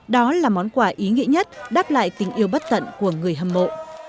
đó là món quà ý nghĩa nhất đáp lại tình yêu bất tận của người hâm mộ